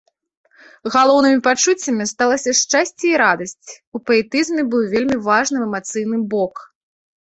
Галоўнымі пачуццямі сталася шчасце і радасць, у паэтызме быў вельмі важным эмацыйны бок.